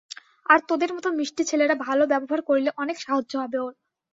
আর তোদের মতো মিষ্টি ছেলেরা ভালো ব্যবহার করলে অনেক সাহায্য হবে ওর।